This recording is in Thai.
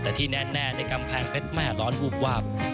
แต่ที่แน่ในกำแพงเพชรแม่ร้อนวูบวาบ